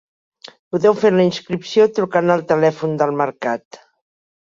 Podeu fer la inscripció trucant al telèfon del mercat.